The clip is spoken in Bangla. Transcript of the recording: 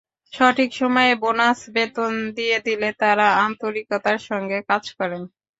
সঠিক সময়ে বোনাস, বেতন দিয়ে দিলে তাঁরা আন্তরিকতার সঙ্গে কাজ করেন।